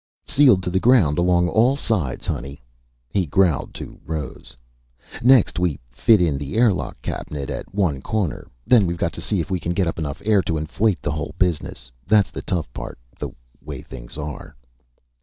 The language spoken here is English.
"Sealed to the ground along all the sides, Honey," he growled to Rose. "Next we fit in the airlock cabinet, at one corner. Then we've got to see if we can get up enough air to inflate the whole business. That's the tough part the way things are...."